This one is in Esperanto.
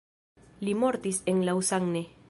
Li mortis en Lausanne.